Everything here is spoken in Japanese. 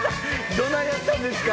どないやったんですか？